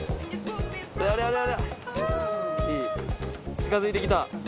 近づいて来た。